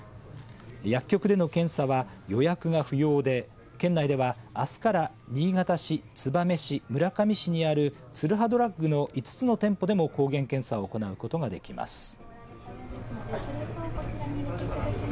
薬局での検査は予約が不要で県内では、あすから新潟市燕市、村上市にあるツルハドラッグの５つの店舗でも抗原検査を行うことができます。